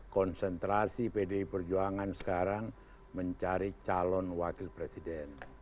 konsentrasi pdi perjuangan sekarang mencari calon wakil presiden